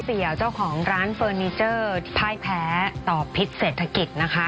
ี่ยวเจ้าของร้านเฟอร์นิเจอร์พ่ายแพ้ต่อพิษเศรษฐกิจนะคะ